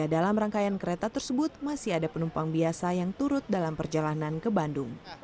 dalam rangkaian kereta tersebut masih ada penumpang biasa yang turut dalam perjalanan ke bandung